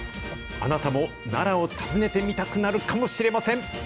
あなたも奈良を訪ねてみたくなるかもしれません。